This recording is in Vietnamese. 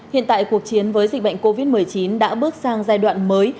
hiện tại cuộc chiến với dịch bệnh covid một mươi chín đã bước sang giai đoạn mới